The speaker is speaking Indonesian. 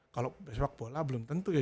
kalau sepak bola belum tentu ya